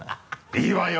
いいわよ